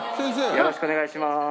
よろしくお願いします。